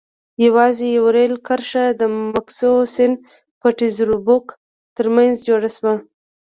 یوازې یوه رېل کرښه د مسکو سن پټزربورګ ترمنځ جوړه شوه.